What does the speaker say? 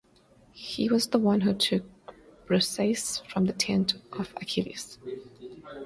He was the one who took Briseis from the tent of Achilles.